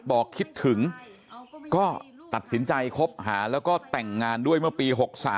บอกคิดถึงก็ตัดสินใจคบหาแล้วก็แต่งงานด้วยเมื่อปี๖๓